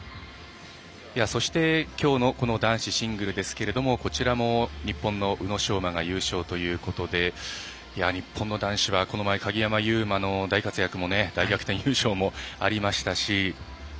そして、きょうの男子シングルですけれどもこちらも日本の宇野昌磨が優勝ということで日本の男子はこの前、鍵山優真の大活躍も大逆転優勝もありましたし。